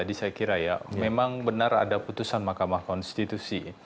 jadi saya kira ya memang benar ada putusan mahkamah konstitusi